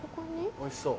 おいしそう！